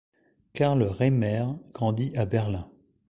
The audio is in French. Karl Reimer grandit à Berlin.